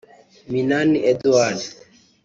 Minani Edouard